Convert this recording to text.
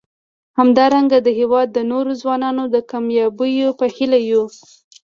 همدارنګه د هیواد د نورو ځوانانو د کامیابیو په هیله یو.